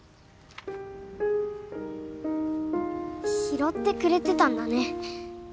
拾ってくれてたんだね。